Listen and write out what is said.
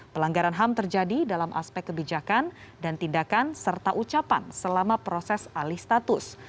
pelanggaran ham terjadi dalam aspek kebijakan dan tindakan serta ucapan selama proses alih status